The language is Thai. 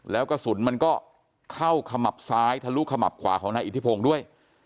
แล้วกระสุนมันก็เข้าขมับซ้ายทะลุขมับขวาของนายอิทธิพงศ์ด้วย